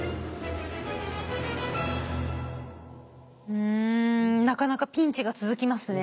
うんなかなかピンチが続きますね。